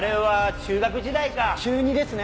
中２ですね。